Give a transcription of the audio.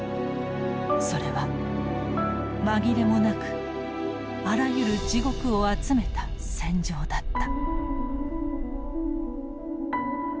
それは紛れもなくあらゆる地獄を集めた戦場だった。